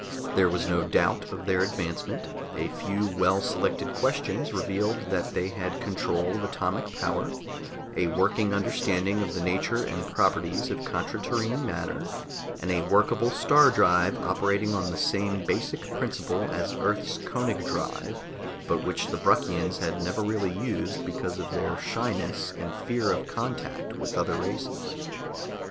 There was no doubt of their advancement; a few well selected questions revealed that they had control of atomic power, a working understanding of the nature and properties of contra terrene matter, and a workable star drive operating on the same basic principle as Earth's Koenig drive but which the Bruckians had never really used because of their shyness and fear of contact with other races.